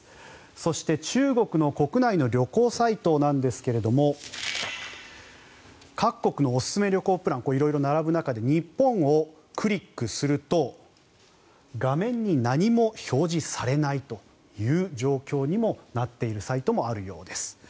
そして、中国の国内の旅行サイトなんですが各国のおすすめ旅行プラン色々並ぶ中で日本をクリックすると画面に何も表示されないという状況にもなっているサイトもあるようです。